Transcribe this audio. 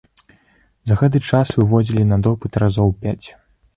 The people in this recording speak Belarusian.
За гэты час выводзілі на допыт разоў пяць.